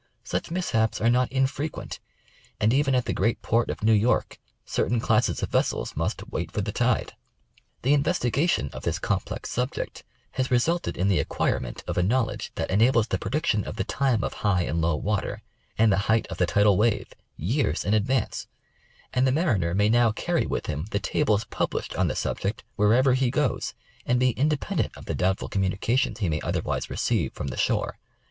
Such mishaps are not infrequent, and even at the great port of New York certain classes of vessels must "wait for the tide." The investigation of this complex subject has resulted in the acquirement of a knowl edge that enables the prediction of the time of high and low water, and the height of the tidal wave, years in advance ; and the mariner may now carry veith him the tables published on the sub ject wherever he goes, and be independant of the doubtful com munications he may otherwise receive from the shore.